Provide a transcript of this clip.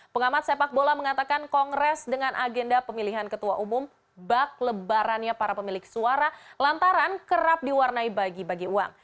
pengamat sepak bola mengatakan kongres dengan agenda pemilihan ketua umum bak lebarannya para pemilik suara lantaran kerap diwarnai bagi bagi uang